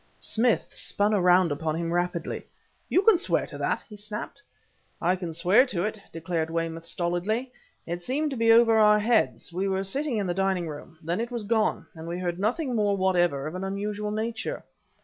Smith spun around upon him rapidly. "You can swear to that?" he snapped. "I can swear to it," declared Weymouth stolidly. "It seemed to be over our heads. We were sitting in the dining room. Then it was gone, and we heard nothing more whatever of an unusual nature.